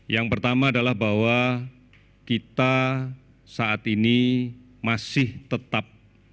yang pertama adalah bahwa kita saat ini masih tetap